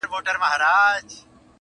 او خپل مفهوم ترې اخلي تل,